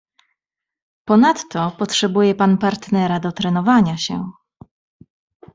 "Ponadto potrzebuje pan partnera do trenowania się."